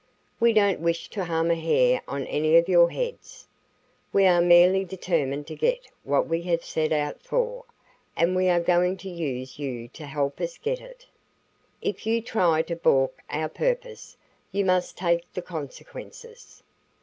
We don't wish to harm a hair on any of your heads. We are merely determined to get what we have set out for, and we are going to use you to help us get it. If you try to balk our purpose, you must take the consequences.